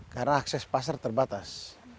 karena akses pasar terbatas